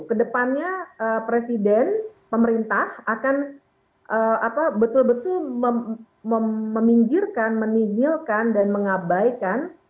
kedepannya presiden pemerintah akan betul betul meminjirkan meninjilkan dan mengabaikan